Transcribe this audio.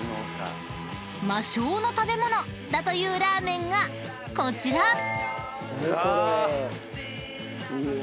［魔性の食べ物だというラーメンがこちら］